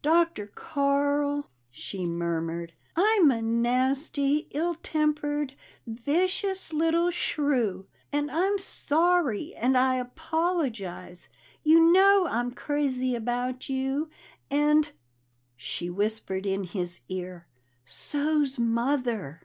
"Dr. Carl," she murmured, "I'm a nasty, ill tempered, vicious little shrew, and I'm sorry, and I apologize. You know I'm crazy about you, and," she whispered in his ear, "so's Mother!"